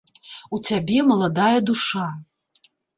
У цябе маладая душа.